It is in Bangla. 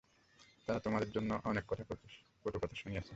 তারা তোমার জন্য তাকে অনেক কটু কথাও শুনিয়েছে।